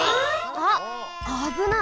あっあぶない！